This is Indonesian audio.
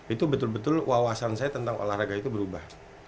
itu betul betul wawasan saya tentang olahraga itu berubah